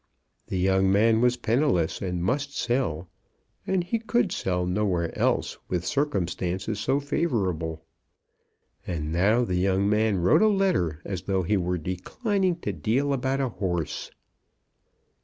The young man was penniless, and must sell; and he could sell nowhere else with circumstances so favourable. And now the young man wrote a letter as though he were declining to deal about a horse!